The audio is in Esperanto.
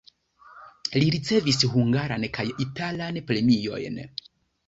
Li ricevis hungaran kaj italan premiojn.